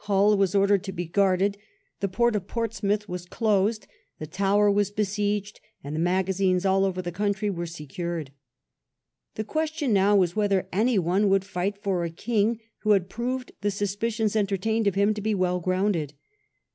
Hull was ordered to be guarded, the port of Portsmouth was closed, the Tower was besieged, and the magazines all over the country were secured. The question now was whether any one would fight for a king who had proved the suspicions entertained of Appeals to him to be well grounded.